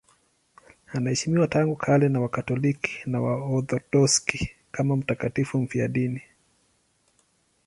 Anaheshimiwa tangu kale na Wakatoliki na Waorthodoksi kama mtakatifu mfiadini.